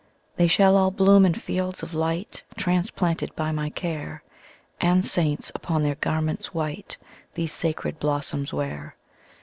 ``They shall all bloom in fields of light, Transplanted by my care, And saints, upon their garments white, These sacred blossoms wear.''